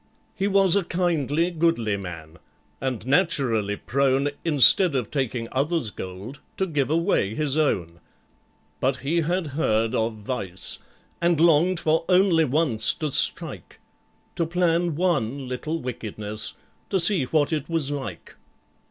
He was a kindly goodly man, and naturally prone, Instead of taking others' gold, to give away his own. But he had heard of Vice, and longed for only once to strike— To plan one little wickedness—to see what it was like.